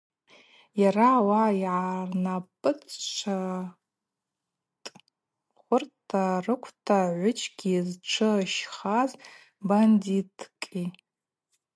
Йара ауаъа йгӏарнапӏыцӏашватӏ хвырта рыквта гӏвыджьи зтшы щхаз бандиткӏи.